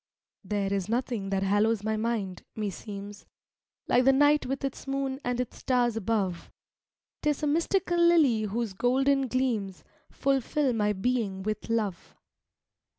There is nothing that hallows my mind, meseems, Like the night with its moon and its stars above; 'Tis a mystical lily whose golden gleams Fulfill my being with love.